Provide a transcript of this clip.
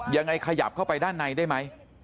ยังไงขยับเข้าไปด้านในได้ไหม